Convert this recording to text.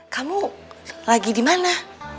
kamu lagi dimana